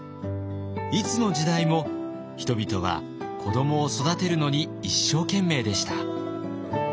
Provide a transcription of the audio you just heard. いつの時代も人々は子どもを育てるのに一生懸命でした。